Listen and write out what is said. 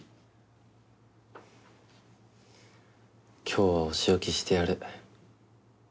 今日はお仕置きしてやる。